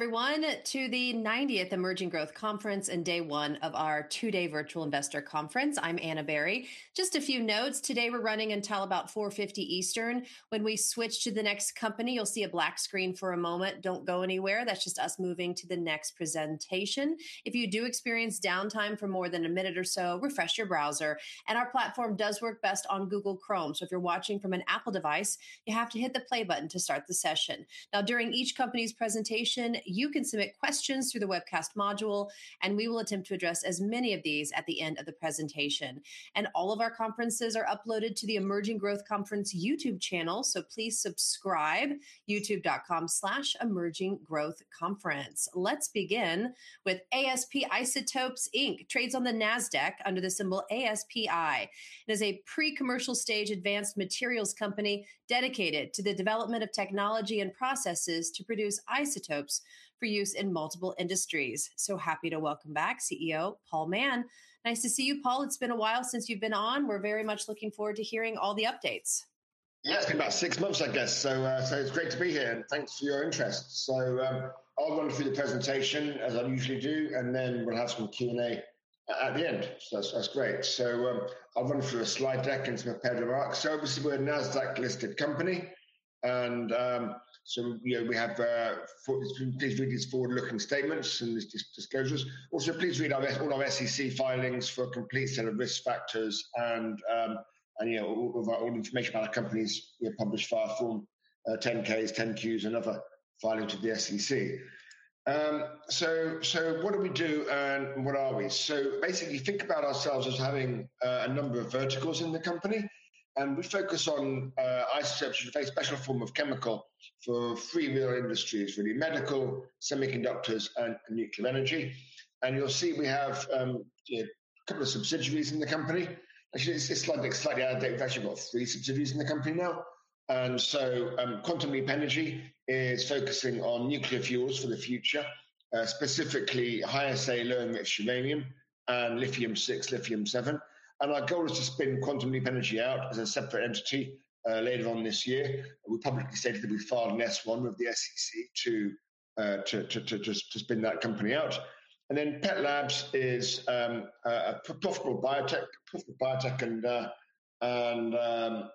everyone to the 90th Emerging Growth Conference and day one of our two-day virtual investor conference. I'm Anna Berry. Just a few notes. Today, we're running until about 4:50 P.M. Eastern. When we switch to the next company, you'll see a black screen for a moment. Don't go anywhere. That's just us moving to the next presentation. If you do experience downtime for more than a minute or so, refresh your browser. Our platform does work best on Google Chrome, so if you're watching from an Apple device, you have to hit the play button to start the session. During each company's presentation, you can submit questions through the webcast module, and we will attempt to address as many of these at the end of the presentation. All of our conferences are uploaded to the Emerging Growth Conference YouTube channel, so please subscribe, youtube.com/emerginggrowthconference. Let's begin with ASP Isotopes Inc., trades on the Nasdaq under the symbol ASPI. It is a pre-commercial stage advanced materials company dedicated to the development of technology and processes to produce isotopes for use in multiple industries. Happy to welcome back CEO Paul Mann. Nice to see you, Paul. It's been a while since you've been on. We're very much looking forward to hearing all the updates. Yeah, it's been about six months, I guess. It's great to be here, and thanks for your interest. I'll run through the presentation as I usually do, and then we'll have some Q&A at the end. That's great. I'll run through a slide deck and some prepared remarks. Obviously, we're a Nasdaq-listed company, and, you know, we have for please read these forward-looking statements and disclosures. Also, please read our, all our SEC filings for a complete set of risk factors and, you know, all the information about our companies. We publish file form 10-K's, 10-Q's, and other filings with the SEC. What do we do, and what are we? Basically, think about ourselves as having a number of verticals in the company, and we focus on isotopes, a very special form of chemical for 3 main industries, really, medical, semiconductors, and nuclear energy. You'll see we have a couple of subsidiaries in the company. Actually, it's slightly out of date. We've actually got 3 subsidiaries in the company now. Quantum Leap Energy is focusing on nuclear fuels for the future, specifically high assay, low mixed uranium and Lithium-6, Lithium-7. Our goal is to spin Quantum Leap Energy out as a separate entity later on this year. We publicly stated that we filed an S-1 with the SEC to spin that company out. PET Labs is a profitable biotech and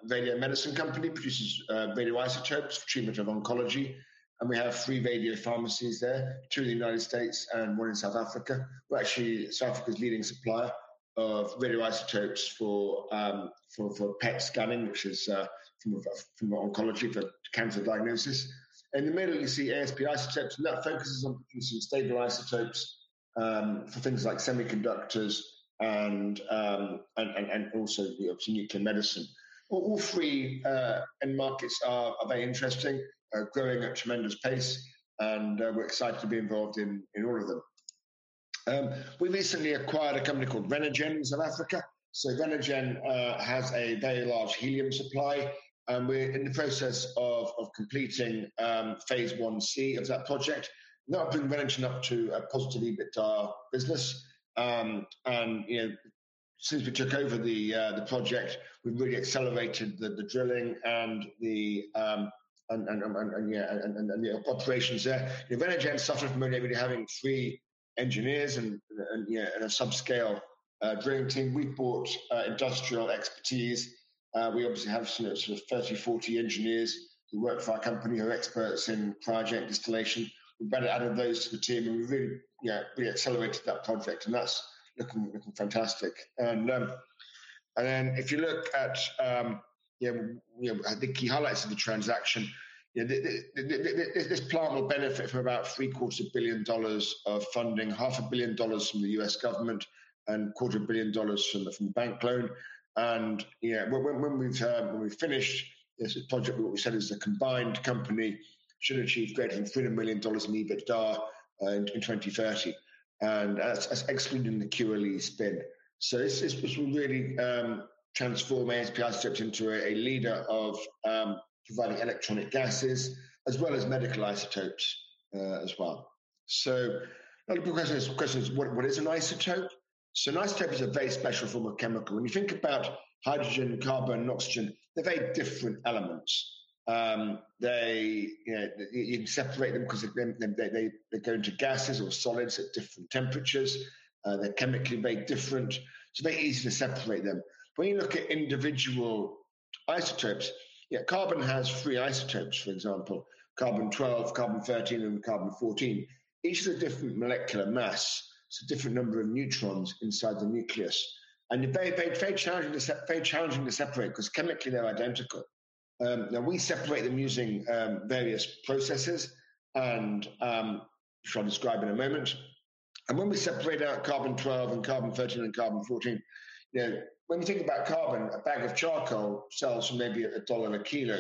radio medicine company, produces radioisotopes for treatment of oncology, and we have three radio pharmacies there, two in the United States and one in South Africa. We're actually South Africa's leading supplier of radioisotopes for PET scanning, which is for oncology, for cancer diagnosis. In the middle, you see ASP Isotopes, and that focuses on producing stable isotopes for things like semiconductors and also the obvious, nuclear medicine. All three end markets are very interesting, are growing at a tremendous pace, and we're excited to be involved in all of them. We recently acquired a company called Renergen of South Africa. Renergen has a very large helium supply, and we're in the process of completing Phase 1C of that project. That will bring Renergen up to a positively EBITDA business. You know, since we took over the project, we've really accelerated the drilling and the operations there. Renergen suffered from only really having three engineers and a subscale drilling team. We've brought industrial expertise. We obviously have sort of 30, 40 engineers who work for our company, who are experts in project installation. We've added those to the team, we've really re-accelerated that project, and that's looking fantastic. If you look at, you know, at the key highlights of the transaction, this plan will benefit from about three-quarters of a billion dollars of funding, half a billion dollars from the U.S. government and a quarter of a billion dollars from the bank loan. When we've finished this project, what we said is the combined company should achieve greater than $300 million in EBITDA in 2030, and that's excluding the QLE spin. This will really transform ASP Isotopes into a leader of providing electronic gases as well as medical isotopes as well. A lot of people have questions: What is an isotope? An isotope is a very special form of chemical. When you think about hydrogen, carbon, and oxygen, they're very different elements. They, you know, you'd separate them 'cause they go into gases or solids at different temperatures. They're chemically very different, so they're easy to separate them. When you look at individual isotopes, carbon has three isotopes, for example, carbon-12, carbon-13 and carbon-14. Each has a different molecular mass, so a different number of neutrons inside the nucleus. They're very challenging to separate 'cause chemically they're identical. Now we separate them using various processes and which I'll describe in a moment. When we separate out carbon-12 and carbon-13 and carbon-14, you know, when we think about carbon, a bag of charcoal sells for maybe $1 a kilo.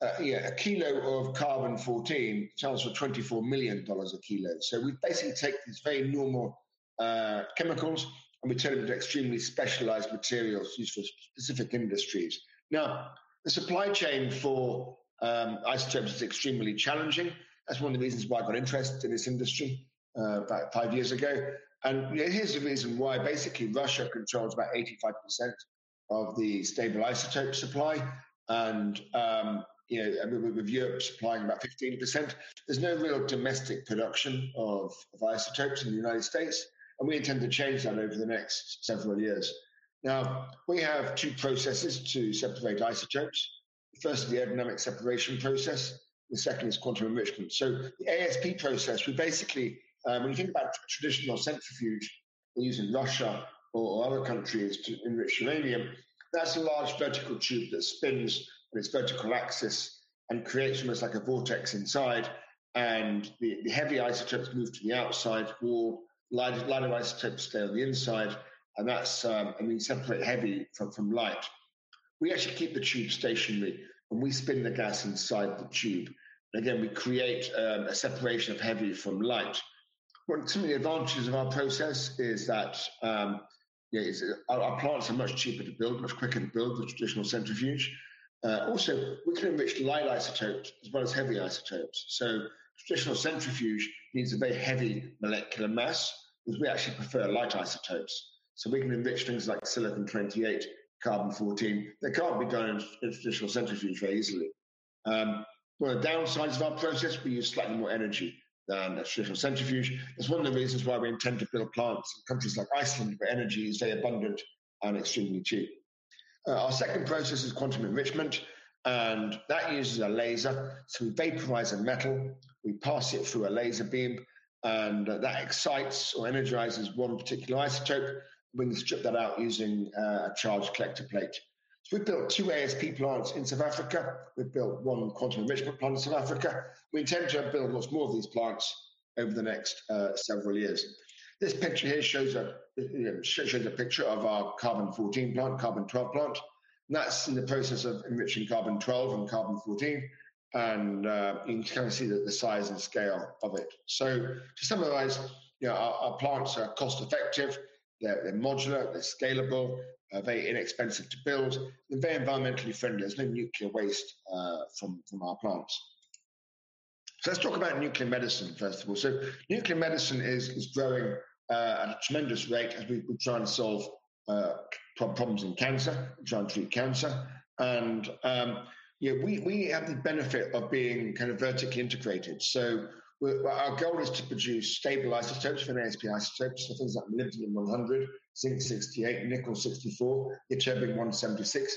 A kilo of carbon-14 sells for $24 million a kilo. We basically take these very normal chemicals, and we turn them into extremely specialized materials used for specific industries. The supply chain for isotopes is extremely challenging. That's one of the reasons why I got interested in this industry about five years ago. You know, here's the reason why. Basically, Russia controls about 85% of the stable isotope supply and, you know, with Europe supplying about 15%, there's no real domestic production of isotopes in the United States, and we intend to change that over the next several years. We have two processes to separate isotopes. The first is the Aerodynamic Separation Process, the second is Quantum Enrichment. The ASP process, we basically, when you think about traditional centrifuge used in Russia or other countries to enrich uranium, that's a large vertical tube that spins on its vertical axis and creates almost like a vortex inside, the heavy isotopes move to the outside wall, lighter isotopes stay on the inside, and we separate heavy from light. We actually keep the tube stationary, we spin the gas inside the tube. Again, we create a separation of heavy from light. Some of the advantages of our process is that our plants are much cheaper to build, much quicker to build than traditional centrifuge. Also, we can enrich light isotopes as well as heavy isotopes. Traditional centrifuge needs a very heavy molecular mass, we actually prefer light isotopes. We can enrich things like silicon-28, carbon-14, they can't be done in traditional centrifuge very easily. One of the downsides of our process, we use slightly more energy than a traditional centrifuge. That's one of the reasons why we intend to build plants in countries like Iceland, where energy is very abundant and extremely cheap. Our second process is Quantum Enrichment, and that uses a laser. We vaporise a metal, we pass it through a laser beam, and that excites or energises one particular isotope. We can strip that out using a charge collector plate. We've built 2 ASP plants in South Africa. We've built 1 Quantum Enrichment plant in South Africa. We intend to build much more of these plants over the next several years. This picture here shows a picture of our carbon-14 plant, carbon-12 plant, and that's in the process of enriching carbon-12 and carbon-14. You can kind of see the size and scale of it. To summarize, our plants are cost-effective, they're modular, they're scalable, very inexpensive to build. They're very environmentally friendly. There's no nuclear waste from our plants. Let's talk about nuclear medicine first of all. Nuclear medicine is growing at a tremendous rate as we try and solve problems in cancer, try and treat cancer. We have the benefit of being kind of vertically integrated. Our goal is to produce stable isotopes from ASP Isotopes, so things like molybdenum-100, zinc-68, nickel-64, ytterbium-176.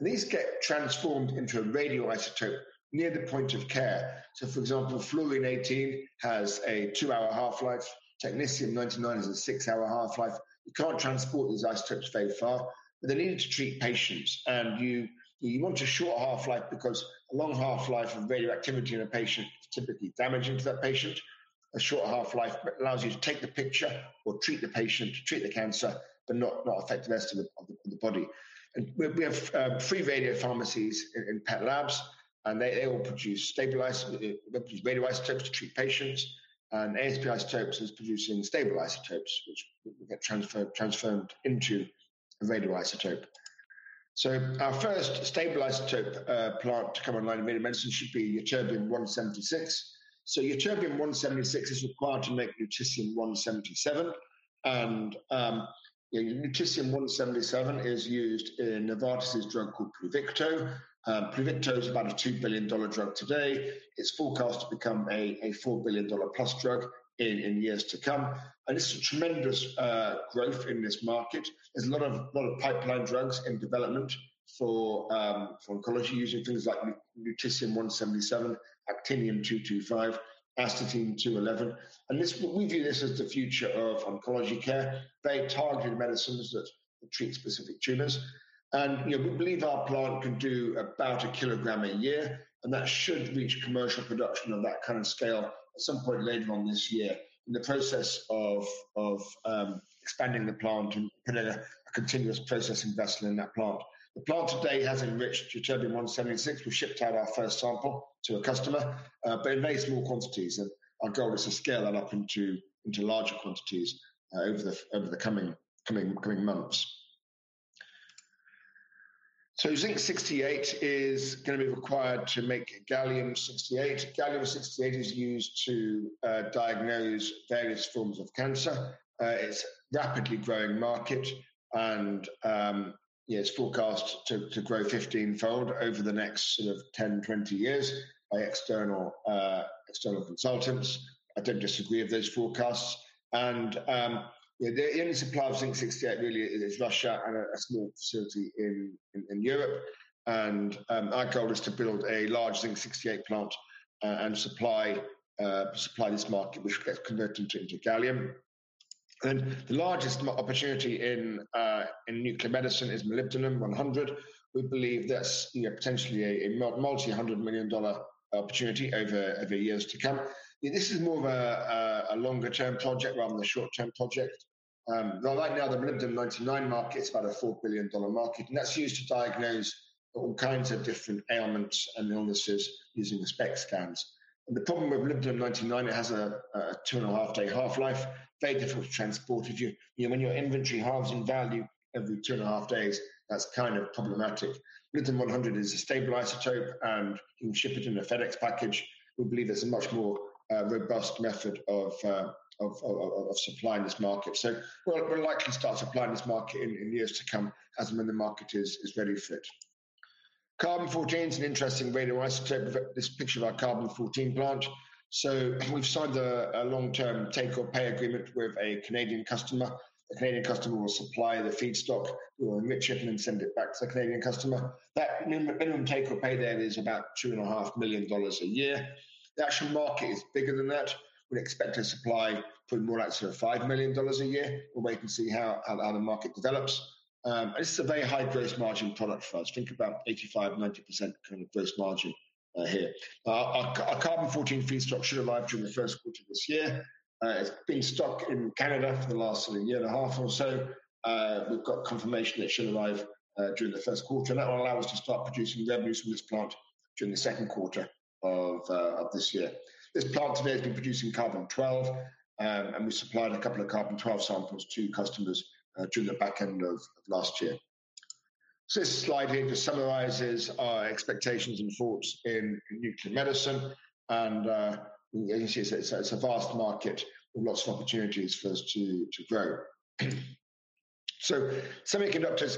These get transformed into a radioisotope near the point of care. For example, fluorine-18 has a 2-hour half-life. Technetium-99 has a six-hour half-life. You can't transport these isotopes very far, but they're needed to treat patients. You want a short half-life because a long half-life of radioactivity in a patient is typically damaging to that patient. A short half-life allows you to take the picture or treat the patient, to treat the cancer, but not affect the rest of the body. We have three radiopharmacies in PET Labs, and they all produce stable radioisotopes to treat patients. ASP Isotopes is producing stable isotopes, which will get transformed into a radioisotope. Our first stable isotope plant to come online in nuclear medicine should be ytterbium-176. Ytterbium-176 is required to make Lutetium-177. Lutetium-177 is used in Novartis's drug called Pluvicto. Pluvicto is about a $2 billion drug today. It's forecast to become a $4 billion-plus drug in years to come, and it's a tremendous growth in this market. There's a lot of pipeline drugs in development for oncology, using things like Lutetium-177, Actinium-225, Astatine-211. This, we view this as the future of oncology care, very targeted medicines that treat specific tumors. You know, we believe our plant can do about a kilogram a year, and that should reach commercial production on that kind of scale at some point later on this year. In the process of expanding the plant and putting a continuous processing vessel in that plant. The plant today has enriched ytterbium-176. We've shipped out our first sample to a customer, but in very small quantities, our goal is to scale that up into larger quantities over the coming months. zinc-68 is gonna be required to make gallium-68. Gallium-68 is used to diagnose various forms of cancer. it's a rapidly growing market, yeah, it's forecast to grow 15-fold over the next sort of 10, 20 years by external external consultants. I don't disagree with those forecasts. the only supply of zinc-68 really is Russia and a small facility in Europe. Our goal is to build a large zinc-68 plant and supply this market, which gets converted into gallium. The largest opportunity in nuclear medicine is molybdenum-100. We believe that's, you know, potentially a multi-hundred million dollar opportunity over years to come. This is more of a longer-term project rather than a short-term project. Right now, the molybdenum-99 market is about a $4 billion market, and that's used to diagnose all kinds of different ailments and illnesses using SPECT scans. The problem with molybdenum-99, it has a 2.5-day half-life, very difficult to transport if you. You know, when your inventory halves in value every 2.5 days, that's kind of problematic. Molybdenum-100 is a stable isotope, and you can ship it in a FedEx package. We believe it's a much more robust method of supplying this market. We'll likely start supplying this market in years to come, as and when the market is ready for it. Carbon-14 is an interesting radioisotope. This picture of our carbon-14 plant. We've signed a long-term take-or-pay agreement with a Canadian customer. The Canadian customer will supply the feedstock. We will enrich it and then send it back to the Canadian customer. That minimum take-or-pay there is about two and a half million dollars a year. The actual market is bigger than that. We expect to supply pretty more like sort of $5 million a year. We'll wait and see how the market develops. It's a very high gross margin product for us. Think about 85%-90% kind of gross margin here. Our carbon-14 feedstock should arrive during the first quarter of this year. It's been stuck in Canada for the last sort of year and a half or so. We've got confirmation it should arrive during the first quarter. That will allow us to start producing revenues from this plant during the second quarter of this year. This plant today has been producing carbon-12, and we supplied a couple of carbon-12 samples to customers during the back end of last year. Semiconductors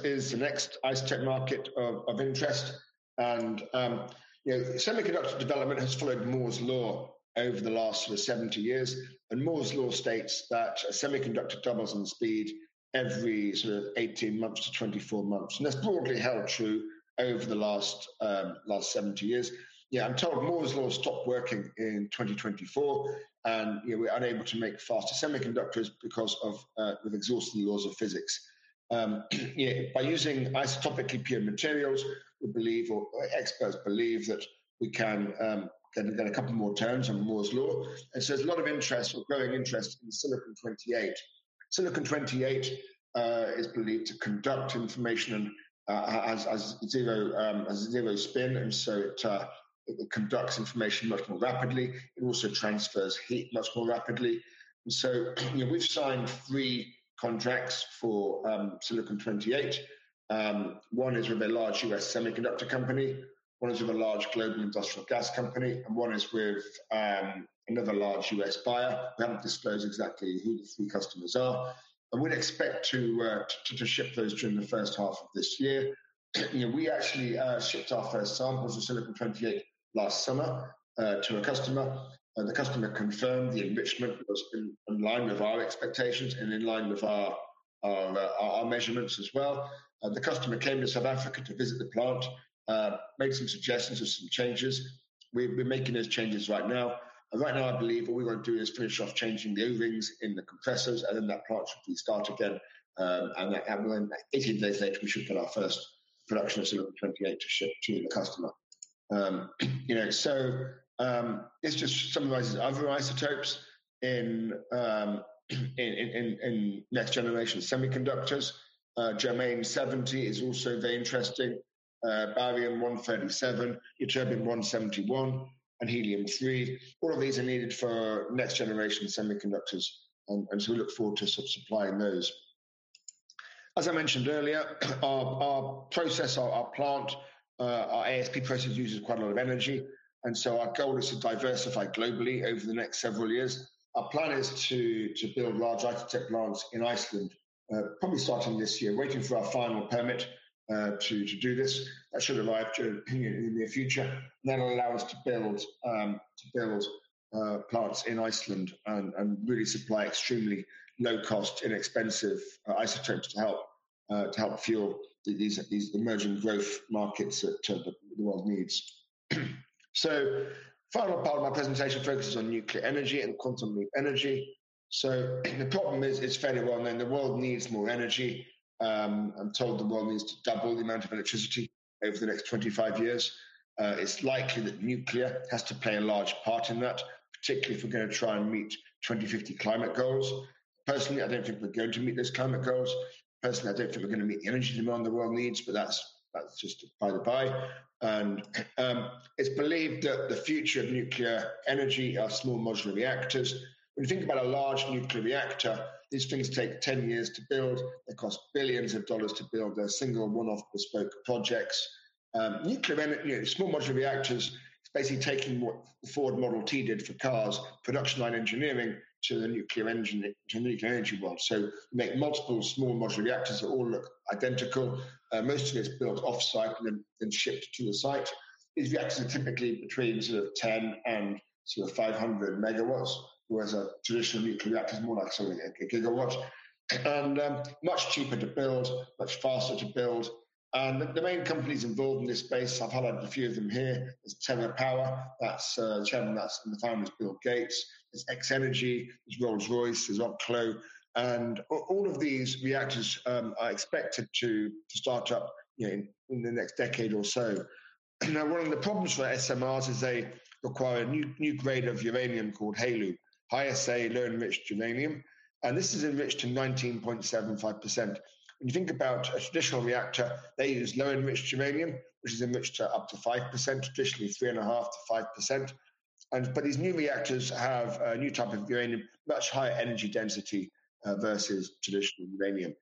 is the next isotope market of interest. You know, semiconductor development has followed Moore's Law over the last sort of 70 years, Moore's Law states that a semiconductor doubles in speed every sort of 18 months to 24 months, and that's broadly held true over the last 70 years. I'm told Moore's Law will stop working in 2024, you know, we're unable to make faster semiconductors because of we've exhausted the laws of physics. By using isotopically pure materials, we believe or experts believe that we can get a couple more turns on Moore's Law. There's a lot of interest or growing interest in silicon-28. Silicon-28 is believed to conduct information as zero spin, it conducts information much more rapidly. It also transfers heat much more rapidly. You know, we've signed three contracts for silicon-28. One is with a large U.S. semiconductor company, one is with a large global industrial gas company, and one is with another large U.S. buyer. We haven't disclosed exactly who the three customers are, but we'd expect to ship those during the first half of this year. You know, we actually shipped our first samples of silicon-28 last summer to a customer, and the customer confirmed the enrichment was in line with our expectations and in line with our measurements as well. The customer came to South Africa to visit the plant, made some suggestions of some changes. We're making those changes right now. Right now, I believe what we want to do is finish off changing the O-rings in the compressors, that plant should restart again. 80 days later, we should get our first production of silicon-28 to ship to the customer. You know, this just summarizes other isotopes in next-generation semiconductors. Germanium-70 is also very interesting. Barium-137, Ytterbium-171, and Helium-3, all of these are needed for next-generation semiconductors. We look forward to sort of supplying those. As I mentioned earlier, our process, our plant, our ASP process uses quite a lot of energy. Our goal is to diversify globally over the next several years. Our plan is to build large isotope plants in Iceland, probably starting this year, waiting for our final permit to do this. That should arrive during, you know, in the near future. That'll allow us to build plants in Iceland and really supply extremely low-cost, inexpensive isotopes to help fuel these emerging growth markets that the world needs. Final part of my presentation focuses on nuclear energy and Quantum Leap Energy. The problem is, it's fairly well-known, the world needs more energy. I'm told the world needs to double the amount of electricity over the next 25 years. It's likely that nuclear has to play a large part in that, particularly if we're gonna try and meet 2050 climate goals. Personally, I don't think we're going to meet those climate goals. Personally, I don't think we're gonna meet the energy demand the world needs, that's just by the by. It's believed that the future of nuclear energy are Small Modular Reactors. When you think about a large nuclear reactor, these things take 10 years to build. They cost $billions to build. They're single, one-off bespoke projects. Nuclear energy, you know, Small Modular Reactors, it's basically taking what the Ford Model T did for cars, production line engineering, to the nuclear energy world. Make multiple Small Modular Reactors that all look identical. Most of it's built off-site and then shipped to the site. These reactors are typically between sort of 10 and sort of 500 MW, whereas a traditional nuclear reactor is more like sort of a GW. Much cheaper to build, much faster to build. The main companies involved in this space, I've highlighted a few of them here. There's TerraPower, that's chairman and the founder is Bill Gates. There's X-energy, there's Rolls-Royce, there's Oklo, all of these reactors are expected to start up, you know, in the next decade or so. One of the problems for SMRs is they require a new grade of uranium called HALEU, high assay, low-enriched uranium, and this is enriched to 19.75%. When you think about a traditional reactor, they use low-enriched uranium, which is enriched to up to 5%, traditionally 3.5% to 5%. These new reactors have a new type of uranium, much higher energy density versus traditional uranium.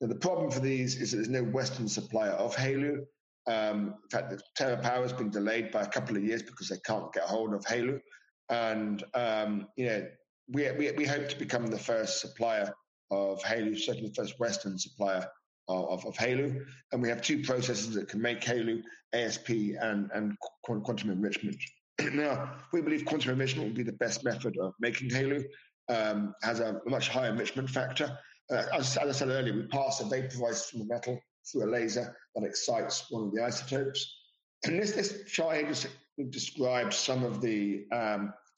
The problem for these is there's no Western supplier of HALEU. In fact, TerraPower has been delayed by 2 years because they can't get a hold of HALEU. You know, we hope to become the first supplier of HALEU, certainly the first Western supplier of HALEU, and we have two processes that can make HALEU, ASP and Quantum Enrichment. We believe Quantum Enrichment will be the best method of making HALEU, has a much higher enrichment factor. As I said earlier, we pass a vaporized through the metal, through a laser that excites one of the isotopes. This chart here describes some of the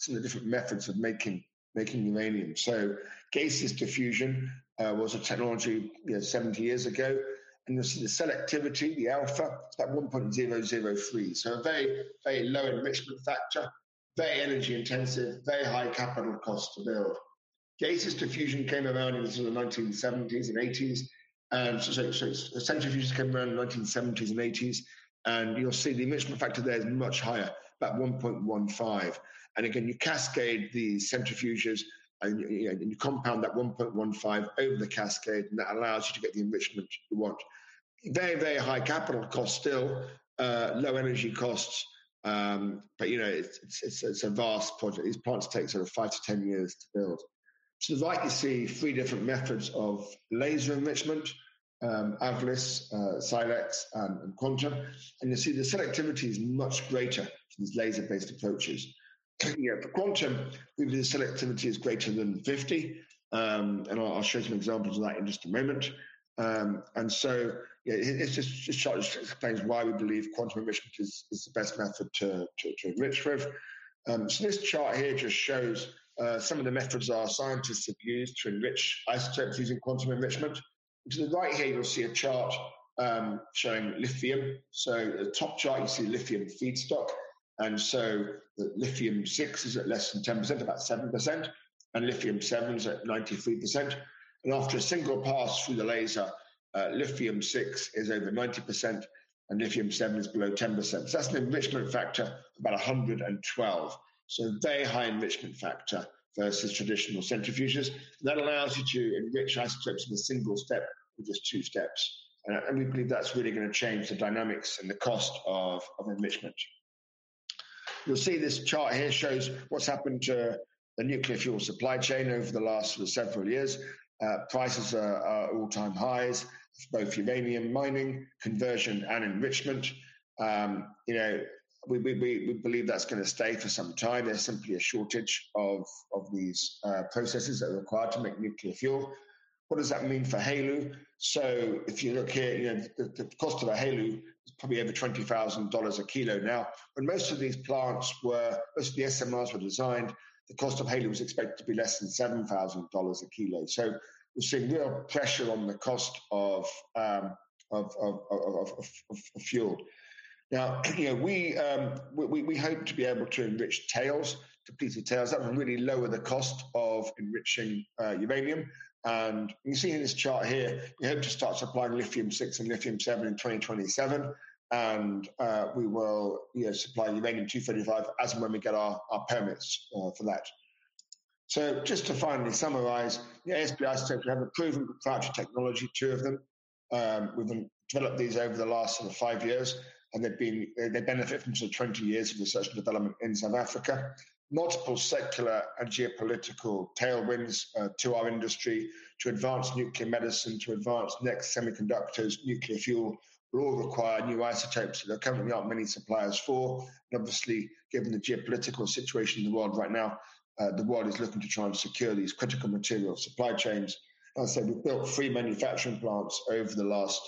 different methods of making uranium. Gaseous diffusion was a technology, you know, 70 years ago, and the selectivity, the alpha, it's at 1.003. A very, very low enrichment factor, very energy intensive, very high capital cost to build. Centrifuges came around in the 1970s and 1980s, and you'll see the enrichment factor there is much higher, about 1.15. Again, you cascade the centrifuges and you compound that 1.15 over the cascade, and that allows you to get the enrichment you want. Very, very high capital cost still, low energy costs, but, you know, it's a vast project. These plants take sort of five to 10 years to build. To the right you see three different methods of laser enrichment, AVLIS, SILEX, and quantum, and you see the selectivity is much greater for these laser-based approaches. Looking at the quantum, the selectivity is greater than 50, and I'll show you some examples of that in just a moment. This just shows, explains why we believe Quantum Enrichment is the best method to enrich with. This chart here just shows some of the methods our scientists have used to enrich isotopes using Quantum Enrichment. To the right here, you'll see a chart showing lithium. At the top chart you see lithium feedstock, the Lithium-6 is at less than 10%, about 7%, and Lithium-7 is at 93%. After a single pass through the laser, Lithium-6 is over 90%, and Lithium-7 is below 10%. That's an enrichment factor, about 112. A very high enrichment factor versus traditional centrifuges. That allows you to enrich isotopes in a single step with just two steps, and we believe that's really gonna change the dynamics and the cost of enrichment. You'll see this chart here shows what's happened to the nuclear fuel supply chain over the last several years. Prices are at all-time highs, both uranium mining, conversion, and enrichment. You know, we believe that's gonna stay for some time. There's simply a shortage of these processes that are required to make nuclear fuel. What does that mean for HALEU? If you look here, you know, the cost of a HALEU is probably over $20,000 a kilo now. When most of these plants, most of the SMRs were designed, the cost of HALEU was expected to be less than $7,000 a kilo. You see real pressure on the cost of fuel. You know, we hope to be able to enrich tails, depleted tails, that will really lower the cost of enriching uranium. You can see in this chart here, we hope to start supplying Lithium-6 and Lithium-7 in 2027. We will, you know, supply Uranium-235 as and when we get our permits for that. Just to finally summarize, yeah, ASP Isotopes, we have a proven proprietary technology, two of them. We developed these over the last sort of five years, and they've been. They benefit from sort of 20 years of research and development in South Africa. Multiple secular and geopolitical tailwinds, to our industry to advance nuclear medicine, to advance next semiconductors, nuclear fuel, will all require new isotopes that there currently aren't many suppliers for. Obviously, given the geopolitical situation in the world right now, the world is looking to try and secure these critical material supply chains. As I said, we've built three manufacturing plants over the last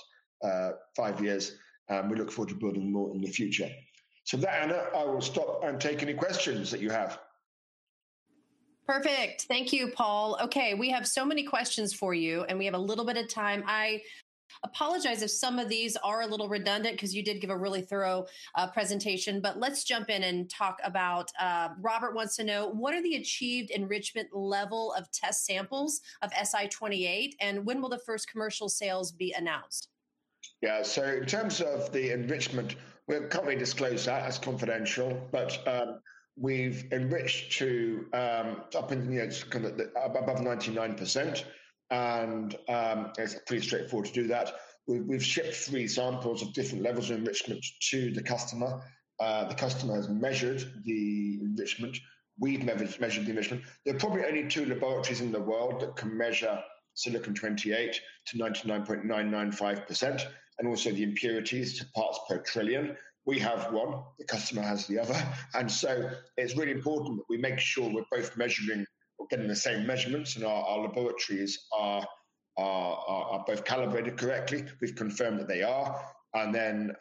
five years, and we look forward to building more in the future. With that, Ana, I will stop and take any questions that you have. Perfect. Thank you, Paul. Okay, we have so many questions for you, and we have a little bit of time. I apologize if some of these are a little redundant, 'cause you did give a really thorough presentation, but let's jump in and talk about Robert wants to know: What are the achieved enrichment level of test samples of Si-28, and when will the first commercial sales be announced? Yeah. In terms of the enrichment, we can't really disclose that's confidential, but we've enriched to, up into, you know, just kind of above 99%, and it's pretty straightforward to do that. We've shipped three samples of different levels of enrichment to the customer. The customer has measured the enrichment. We've measured the enrichment. There are probably only two laboratories in the world that can measure silicon-28 to 99.995%, and also the impurities to parts per trillion. We have one, the customer has the other. It's really important that we make sure we're both measuring or getting the same measurements, and our laboratories are both calibrated correctly, we've confirmed that they are. Then,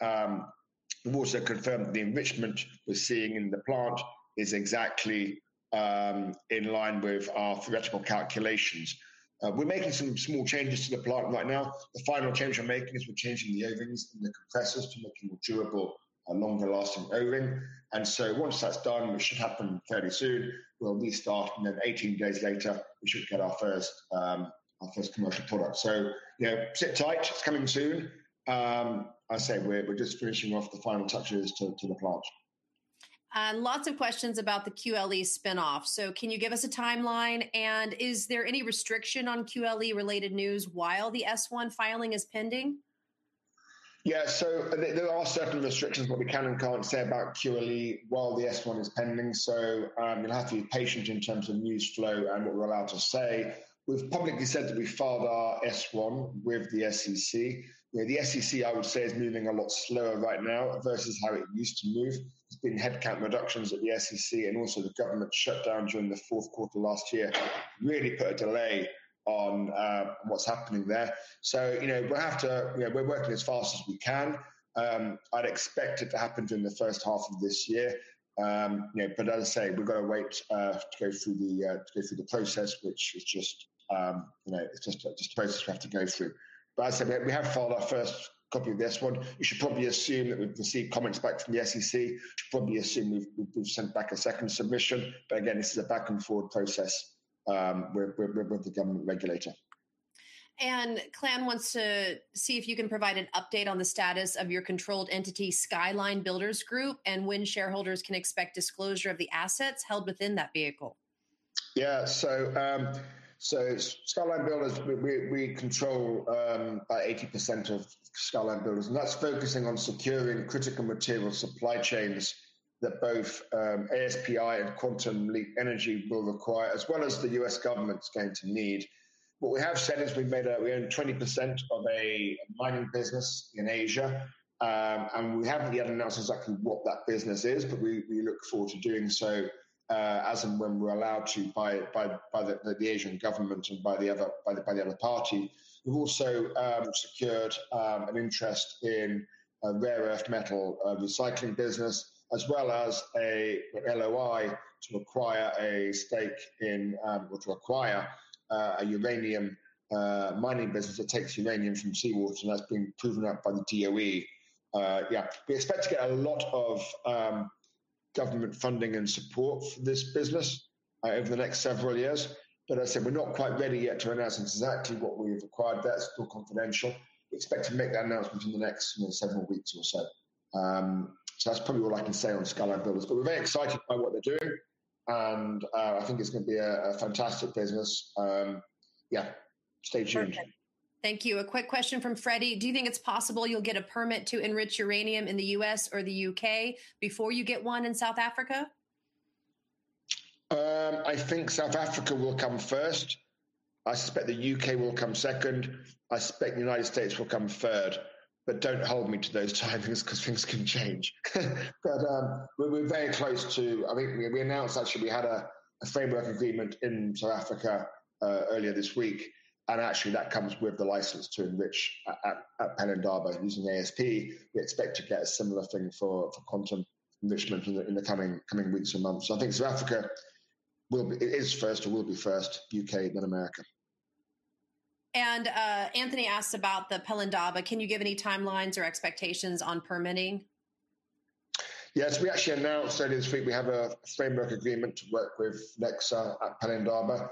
we've also confirmed that the enrichment we're seeing in the plant is exactly in line with our theoretical calculations. We're making some small changes to the plant right now. The final change we're making is we're changing the ovens and the compressors to make them more durable and longer-lasting oven. Once that's done, which should happen fairly soon, we'll restart, and then 18 days later, we should get our first commercial product. You know, sit tight. It's coming soon. I say we're just finishing off the final touches to the plant. Lots of questions about the QLE spin-off. Can you give us a timeline, and is there any restriction on QLE-related news while the S-1 filing is pending? Yeah, there are certain restrictions what we can and can't say about QLE while the S-1 is pending. You'll have to be patient in terms of news flow and what we're allowed to say. We've publicly said that we filed our S-1 with the SEC, where the SEC, I would say, is moving a lot slower right now versus how it used to move. There's been headcount reductions at the SEC, and also the government shutdown during the fourth quarter last year, really put a delay on what's happening there. You know, we're working as fast as we can. I'd expect it to happen during the first half of this year. You know, as I say, we've got to wait to go through the to go through the process, which is just, you know, it's just a process we have to go through. As I said, we have filed our first copy of the S-1. We should probably assume that we've received comments back from the SEC. Should probably assume we've sent back a second submission. Again, this is a back-and-forth process with the government regulator. Clan wants to see if you can provide an update on the status of your controlled entity, Skyline Builders Group, and when shareholders can expect disclosure of the assets held within that vehicle. Yeah. Skyline Builders, we control about 80% of Skyline Builders. That's focusing on securing critical material supply chains that both ASPI and Quantum Leap Energy will require, as well as the U.S. government's going to need. What we have said is we've made we own 20% of a mining business in Asia. We haven't yet announced exactly what that business is, but we look forward to doing so as and when we're allowed to by the Asian government and by the other party. We've also secured an interest in a rare-earth metal recycling business, as well as a LOI to acquire a stake in or to acquire a uranium mining business that takes uranium from seawater, and that's been proven out by the DOE. We expect to get a lot of government funding and support for this business over the next several years. As I said, we're not quite ready yet to announce exactly what we've acquired. That's still confidential. We expect to make that announcement in the next several weeks or so. That's probably all I can say on Skyline Builders, but we're very excited by what they're doing, and I think it's gonna be a fantastic business. Stay tuned. Perfect. Thank you. A quick question from Freddie: Do you think it's possible you'll get a permit to enrich uranium in the U.S. or the U.K. before you get one in South Africa? I think South Africa will come 1st. I suspect the UK will come 2nd. I suspect the United States will come 3rd. Don't hold me to those timings, 'cause things can change. We're very close to... I think we announced, actually, we had a framework agreement in South Africa earlier this week, and actually, that comes with the license to enrich at Pelindaba using ASP. We expect to get a similar thing for Quantum Enrichment in the coming weeks or months. I think South Africa it is first or will be 1st, UK, then America. Anthony asked about the Pelindaba: Can you give any timelines or expectations on permitting? Yes, we actually announced earlier this week, we have a framework agreement to work with NECSA at Pelindaba.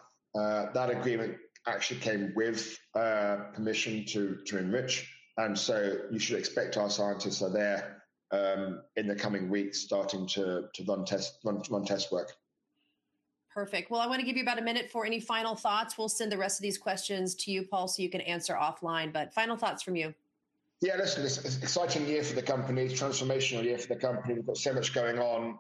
That agreement actually came with permission to enrich, and so you should expect our scientists are there, in the coming weeks, starting to run test work. Perfect. Well, I want to give you about a minute for any final thoughts. We'll send the rest of these questions to you, Paul, so you can answer offline, but final thoughts from you. Yeah, listen, it's an exciting year for the company, transformational year for the company. We've got so much going on,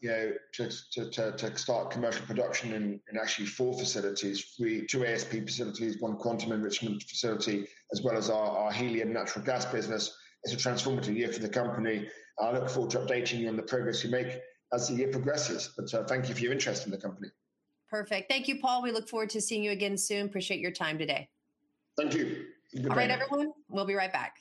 you know, to start commercial production in actually four facilities. Two ASP facilities, one Quantum Enrichment facility, as well as our helium natural gas business. It's a transformative year for the company. I look forward to updating you on the progress we make as the year progresses. Thank you for your interest in the company. Perfect. Thank you, Paul. We look forward to seeing you again soon. Appreciate your time today. Thank you. You bet. All right, everyone, we'll be right back.